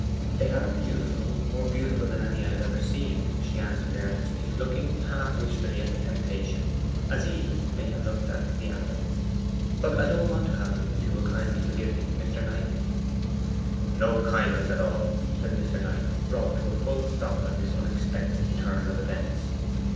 They are beautiful more beautiful than any I have ever seen,' she answered earnestly, looking half wishfully at the temptation, as Eve may have looked at the apple. 'But I don't want to have them, if you will kindly forgive me, Mr. Knight.' 'No kindness at all,' said Mr. Knight, brought to a full stop at this unexpected turn of events.